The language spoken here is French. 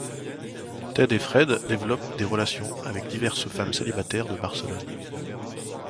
Ted et Fred développent des relations avec diverses femmes célibataires de Barcelone.